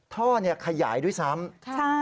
ท่อขยายด้วยซ้ำ